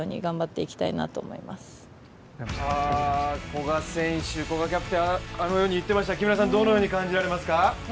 古賀キャプテン、あのように言っていました、どのように感じられますか？